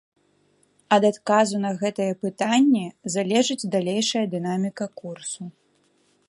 Ад адказу на гэтыя пытанні залежыць далейшая дынаміка курсу.